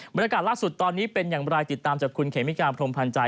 บรรยากาศล่าสุดตอนนี้เป็นอย่างไรติดตามจากคุณเขมิกาพรมพันธ์ใจ